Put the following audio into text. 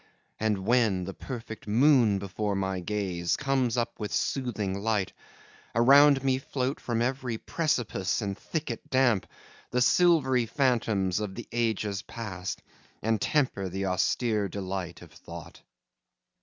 And when the perfect moon before my gaze Comes up with soothing light, around me float From every precipice and thicket damp The silvery phantoms of the ages past, And temper the austere delight of thought.